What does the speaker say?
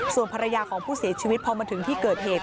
ส่วนภรรยาของผู้เสียชีวิตพอมาถึงที่เกิดเหตุ